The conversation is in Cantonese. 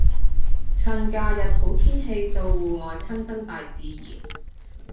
趁假日好天氣到戶外親親大自然